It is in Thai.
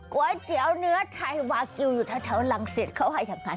ก๋วยเตี๋ยวเนื้อไทยวาคิวอยู่ทะเที๋ยวลังเสัียนะคะ